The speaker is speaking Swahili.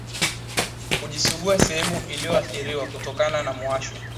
kujisugua sehemu iliyoathiriwa kutokana na mwasho